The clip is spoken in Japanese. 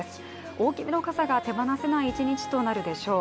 大きめの傘が手放せない一日となるでしょう。